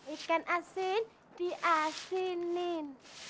ikan asin diasinin